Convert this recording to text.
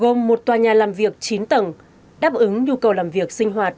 gồm một tòa nhà làm việc chín tầng đáp ứng nhu cầu làm việc sinh hoạt